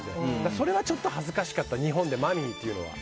それはちょっと恥ずかしかった日本でマミーって言うのは。